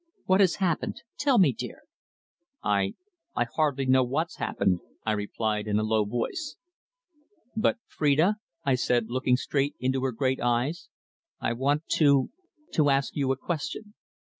"What has happened? Tell me, dear." "I I hardly know what's happened," I replied in a low voice. "But, Phrida," I said, looking straight into her great eyes, "I want to to ask you a question."